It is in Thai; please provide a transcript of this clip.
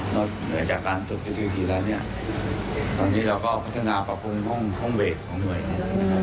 นอกจากการศึกษ์ที่สุดทีแล้วเนี่ยตอนนี้เราก็พัฒนาปรับภูมิห้องเวทของหน่วยเนี่ย